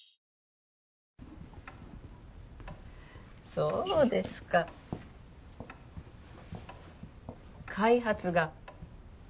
そうですか開発が？